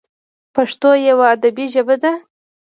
پښتو یوه ادبي ژبه ده.